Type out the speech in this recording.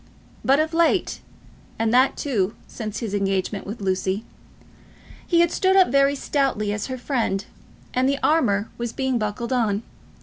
But of late, and that, too, since his engagement with Lucy, he had stood up very stoutly as her friend, and the armour was being buckled on.